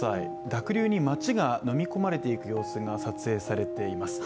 濁流に街がのみ込まれていく様子が撮影されています。